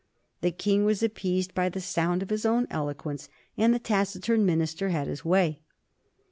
The King was appeased by the sound of his own eloquence, and the taciturn minister had his way.